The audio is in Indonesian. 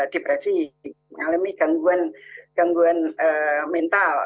depresi mengalami gangguan mental